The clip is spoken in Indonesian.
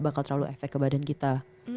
bakal terlalu efek ke badan kita